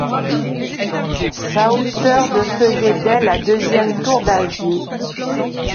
Sa hauteur de faisait d’elle la deuxième tour d’Asie.